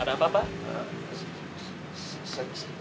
ada apa pak